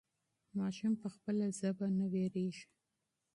ماشوم په خپله ژبه نه وېرېږي.